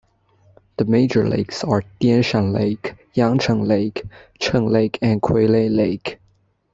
The major lakes are Dianshan Lake, Yangcheng Lake, Cheng Lake and Kuilei Lake.